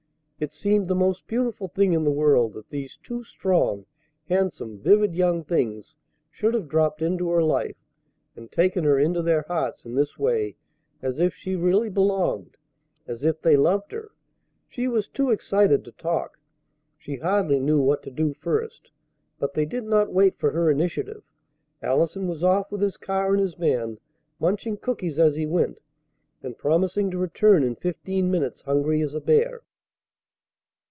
It seemed the most beautiful thing in the world that these two strong, handsome, vivid young things should have dropped into her life and taken her into their hearts in this way as if she really belonged, as if they loved her! She was too excited to talk. She hardly knew what to do first. But they did not wait for her initiative. Allison was off with his car and his man, munching cookies as he went, and promising to return in fifteen minutes hungry as a bear.